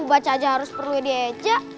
baca aja harus perlu ya dia aja